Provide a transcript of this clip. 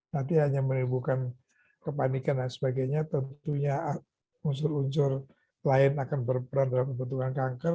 nanti hanya menimbulkan kepanikan dan sebagainya tentunya unsur unsur lain akan berperan dalam kebutuhan kanker